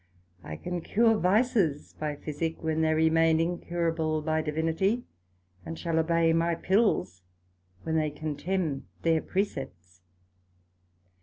I can cure Vices by Physick, when they remain incurable by Divinity; and shall obey my Pills, when they contemn their precepts.